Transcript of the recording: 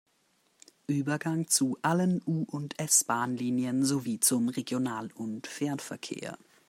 Übergang zu allen U- und S-Bahnlinien sowie zum Regional- und Fernverkehr.